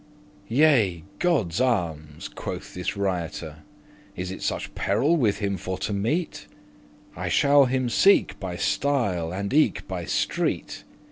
*lest "Yea, Godde's armes," quoth this riotour, "Is it such peril with him for to meet? I shall him seek, by stile and eke by street.